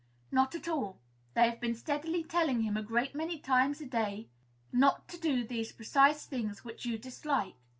Not at all: they have been steadily telling him a great many times every day not to do these precise things which you dislike.